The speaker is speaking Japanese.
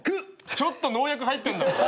ちょっと農薬入ってんだ。